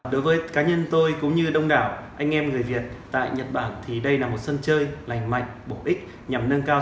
đối với cá nhân tôi cũng như đông đảo anh em người việt tại nhật bản thì đây là một sân chơi lành